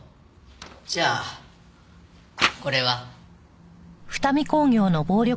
じゃあこれは？